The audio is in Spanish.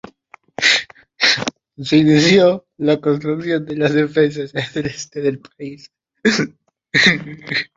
Se inició la construcción de las defensas en el este del país.